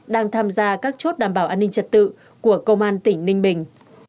đang tham gia các chốt đảm bảo an ninh trật tự của công an tỉnh ninh bình